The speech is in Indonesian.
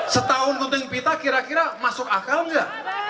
setahun gunting pita kira kira masuk akal nggak